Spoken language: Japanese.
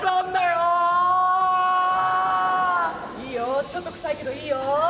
いいよちょっとクサいけどいいよ。